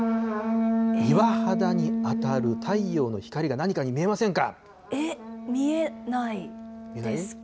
岩肌に当たる太陽の光が何かに見えませんか？